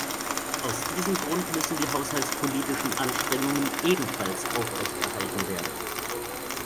Aus diesem Grund müssen die haushaltspolitischen Anstrengungen ebenfalls aufrechterhalten werden.